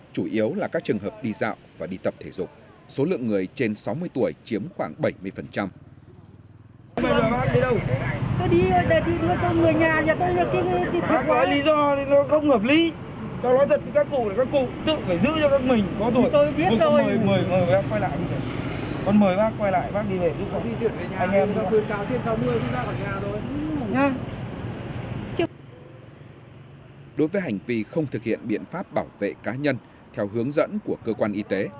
đối với hành vi không thực hiện biện pháp bảo vệ cá nhân theo hướng dẫn của cơ quan y tế